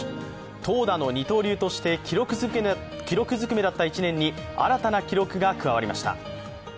投打の二刀流として記録づくめだった１年に新たな記録が加わりました。